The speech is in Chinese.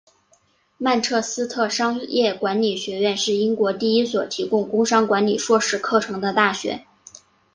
曼彻斯特商业管理学院是英国第一所提供工商管理硕士课程的大学。